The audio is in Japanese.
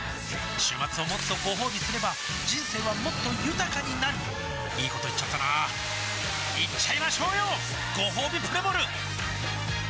週末をもっとごほうびすれば人生はもっと豊かになるいいこと言っちゃったなーいっちゃいましょうよごほうびプレモル